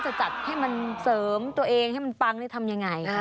จะจัดให้มันเสริมตัวเองให้มันปังได้ทำยังไง